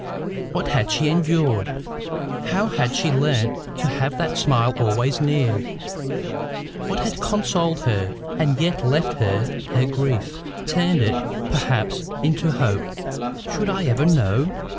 What had she endured? How had she learned to have that smile always near? What had consoled her, and yet left her her grief turned it, perhaps, into hope? Should I ever know?